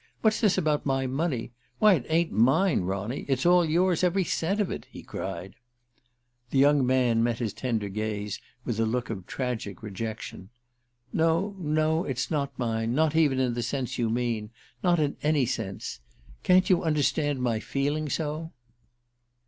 What's this about my money? Why, it ain't mine, Ronny; it's all yours every cent of it!" he cried. The young man met his tender look with a gaze of tragic rejection. "No, no, it's not mine not even in the sense you mean. Not in any sense. Can't you understand my feeling so?"